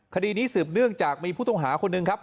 คดีนี้สืบเนื่องจากมีผู้ต้องหาคนหนึ่งครับ